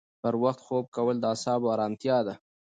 پر وخت خوب کول د اعصابو ارامتیا ده.